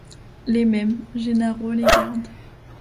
Les mêmes, Gennaro, les Gardes.